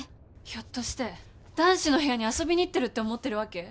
ひょっとして男子の部屋に遊びに行ってるって思ってるわけ？